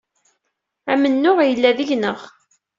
Amennuɣ, yella deg-neɣ.